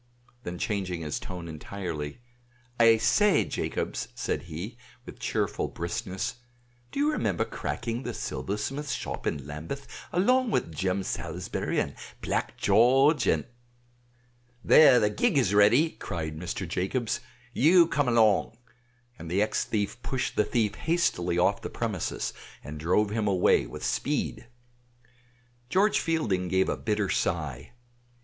Then changing his tone entirely, "I say, Jacobs," said he, with cheerful briskness, "do you remember cracking the silversmith's shop in Lambeth along with Jem Salisbury and Black George, and " "There, the gig is ready," cried Mr. Jacobs; "you come along," and the ex thief pushed the thief hastily off the premises and drove him away with speed. George Fielding gave a bitter sigh.